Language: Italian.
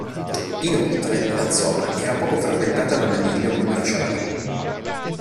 Inoltre la zona era poco frequentata da naviglio commerciale.